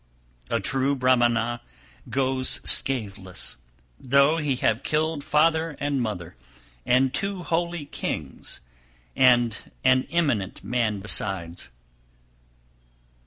295. A true Brahmana goes scatheless, though he have killed father and mother, and two holy kings, and an eminent man besides.